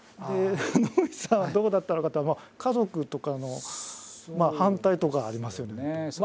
野口さんはどうだったのかと家族とかの反対とかありますよね。